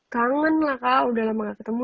kangen lah kalau udah lama gak ketemu